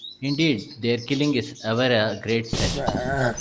Indeed, their killing is ever a great sin.